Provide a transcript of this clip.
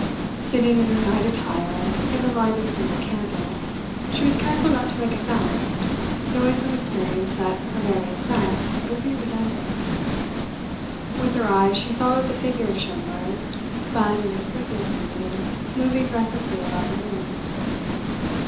Sitting in her night attire in the light of a single candle, she was careful not to make a sound, knowing from experience that her very assent would be resented. With her eyes she followed the figure of Schomberg, clad in his sleeping suit, and moving restlessly about the room.